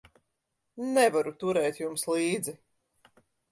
Nevaru turēt jums līdzi.